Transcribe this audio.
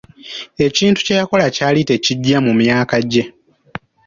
Ekintu kye yakola kyali tekigya mu myaka gye.